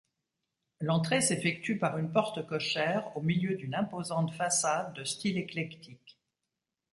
L'entrée s'effectue par une porte cochère au milieu d'une imposante façade de style éclectique.